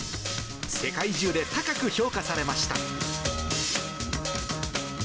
世界中で高く評価されました。